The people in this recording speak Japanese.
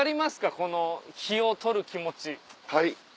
この碑を撮る気持ち。